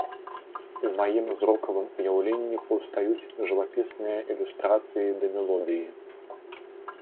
У маім зрокавым уяўленні паўстаюць жывапісныя ілюстрацыі да мелодыі.